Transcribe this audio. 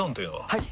はい！